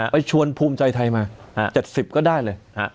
ไปชวนภูมิใจไทยมา๗๐ก็ได้เลย